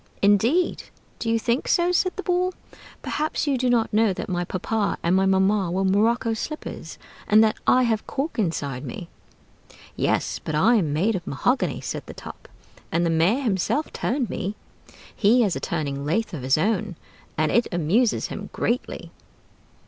"Indeed! Do you think so?" said the Ball. "Perhaps you do not know that my papa and my mamma were morocco slippers, and that I have a cork inside me?" "Yes, but I am made of mahogany," said the Top; "and the mayor himself turned me. He has a turning lathe of his own, and it amuses him greatly."